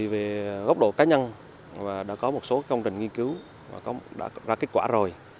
về gốc độ cá nhân đã có một số công trình nghiên cứu đã ra kết quả rồi